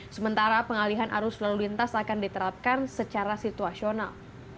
sementara pengalihan arus lalu lintas akan diterapkan secara situasional